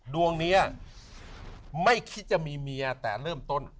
ดวงนี้ไม่คิดจะมีเมียแต่เริ่มต้น